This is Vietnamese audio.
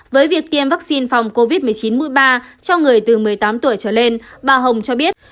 với việc tiêm vaccine phòng covid một mươi chín mũi ba cho người từ một mươi tám tuổi trở lên bà hồng cho biết